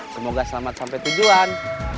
semoga selamat sampai tujuan